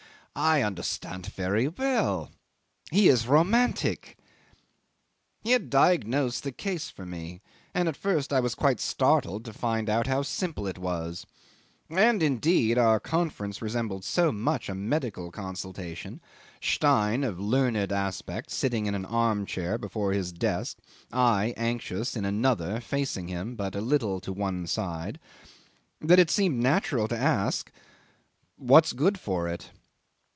'"I understand very well. He is romantic." 'He had diagnosed the case for me, and at first I was quite startled to find how simple it was; and indeed our conference resembled so much a medical consultation Stein, of learned aspect, sitting in an arm chair before his desk; I, anxious, in another, facing him, but a little to one side that it seemed natural to ask '"What's good for it?"